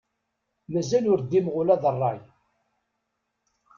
Mazal ur ddimeɣ ula d rray.